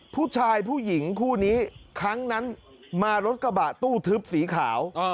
ผู้หญิงคู่นี้ครั้งนั้นมารถกระบะตู้ทึบสีขาว